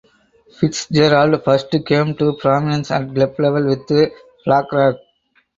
Fitzgerald first came to prominence at club level with Blackrock.